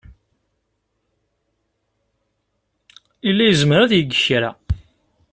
Yella yezmer ad yeg kra.